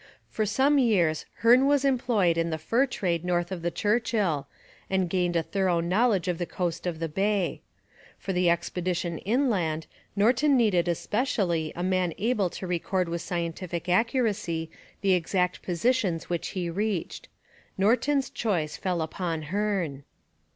For some years Hearne was employed in the fur trade north of the Churchill, and gained a thorough knowledge of the coast of the bay. For the expedition inland Norton needed especially a man able to record with scientific accuracy the exact positions which he reached. Norton's choice fell upon Hearne.